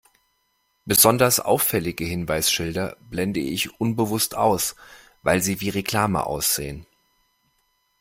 Besonders auffällige Hinweisschilder blende ich unbewusst aus, weil sie wie Reklame aussehen.